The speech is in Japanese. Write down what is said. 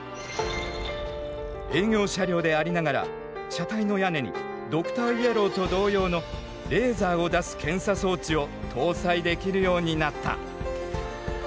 営業車両でありながら車体の屋根にドクターイエローと同様のレーザーを出す検査装置を搭載できるようになった。